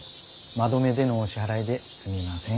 まどめでのお支払いですみません。